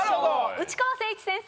内川聖一先生